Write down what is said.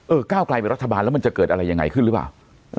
ก้าวไกลเป็นรัฐบาลแล้วมันจะเกิดอะไรยังไงขึ้นหรือเปล่า